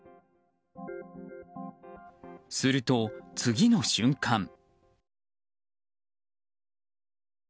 すると次の瞬間。